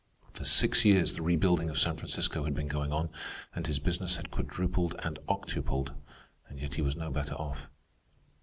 For six years the rebuilding of San Francisco had been going on, and his business had quadrupled and octupled, and yet he was no better off.